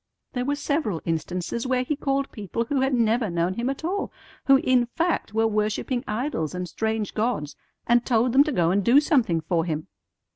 "There were several instances where He called people who had never known Him at all, who, in fact, were worshipping idols and strange gods, and told them to go and do something for Him.